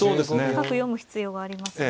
深く読む必要がありますね。